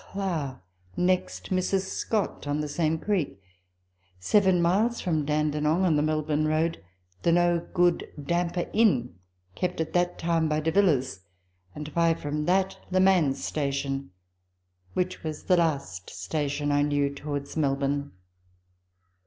Clow ; next Mrs. Scott, on the same creek; seven miles from Dandenong, on the Melbourne road, the " No Good Damper Inn," kept at that time by De Villiers ; and five from that Le Man's station, which was the last station I knew towards Melbourne.